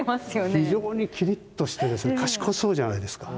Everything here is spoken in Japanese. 非常にきりっとして賢そうじゃないですか。